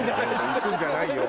行くんじゃないよ